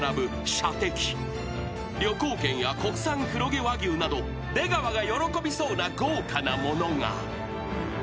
［旅行券や国産黒毛和牛など出川が喜びそうな豪華なものが］